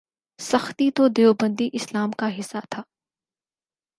سختی تو دیوبندی اسلام کا حصہ تھا۔